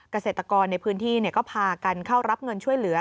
เกษตรกรในพื้นที่ก็พากันเข้ารับเงินช่วยเหลือ